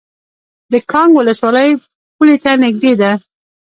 د کانګ ولسوالۍ پولې ته نږدې ده